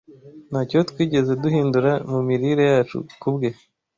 Ntacyo twigeze duhindura mu mirire yacu kubwe